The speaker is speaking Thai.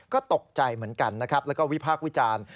ก็ตกใจเหมือนกันนะครับแล้วก็วิพากษ์วิจารณ์